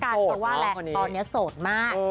เพราะตอนนี้โสดมาก